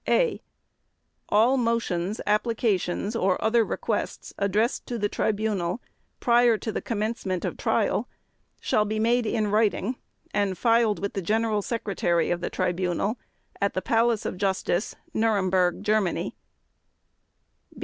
_ (a) All motions, applications or other requests addressed to the Tribunal prior to the commencement of trial shall be made in writing and filed with the General Secretary of the Tribunal at the Palace of Justice, Nuremberg, Germany.